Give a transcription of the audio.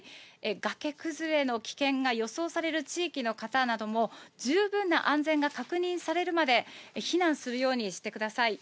崖崩れの危険が予想される地域の方なども、十分な安全が確認されるまで、避難するようにしてください。